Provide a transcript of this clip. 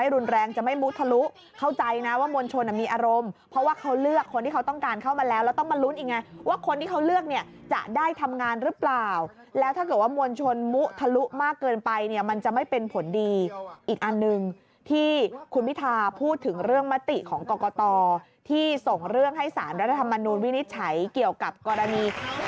รุนแรงจะไม่มุทะลุเข้าใจนะว่ามวลชนมีอารมณ์เพราะว่าเขาเลือกคนที่เขาต้องการเข้ามาแล้วแล้วต้องมาลุ้นอีกไงว่าคนที่เขาเลือกเนี่ยจะได้ทำงานหรือเปล่าแล้วถ้าเกิดว่ามวลชนมุทะลุมากเกินไปเนี่ยมันจะไม่เป็นผลดีอีกอันหนึ่งที่คุณพิธาพูดถึงเรื่องมติของกรกตที่ส่งเรื่องให้สารรัฐธรรมนูลวินิจฉัยเกี่ยวกับกรณี